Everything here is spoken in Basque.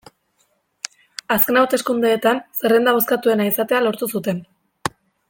Azken hauteskundeetan zerrenda bozkatuena izatea lortu zuten.